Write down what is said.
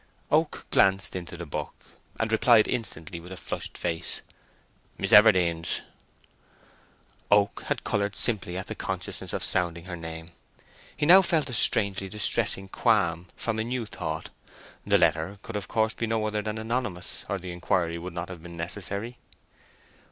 Oak glanced into the book, and replied instantly, with a flushed face, "Miss Everdene's." Oak had coloured simply at the consciousness of sounding her name. He now felt a strangely distressing qualm from a new thought. The letter could of course be no other than anonymous, or the inquiry would not have been necessary.